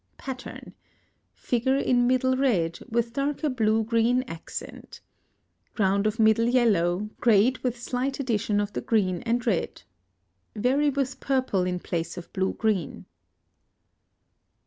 Pattern. Figure in middle red, with darker blue green accent. Ground of middle yellow, grayed with slight addition of the red and green. Vary with purple in place of blue green.